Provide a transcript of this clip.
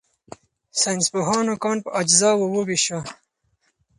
ساینسپوهانو کان په اجزاوو وویشو.